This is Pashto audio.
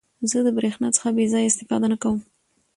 زه د برېښنا څخه بې ځایه استفاده نه کوم.